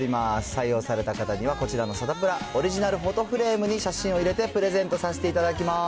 採用された方には、こちらのサタプラオリジナルフォトフレームに写真を入れてプレゼントさせていただきます。